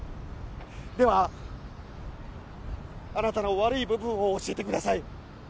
ではあなたの悪い部分を教えてください。